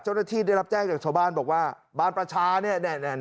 ชาวบ้านบอกว่าบ้านประชานี่